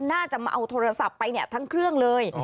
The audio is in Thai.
น่าจะมาเอาโทรศัพท์ไปเนี่ยทั้งเครื่องเลย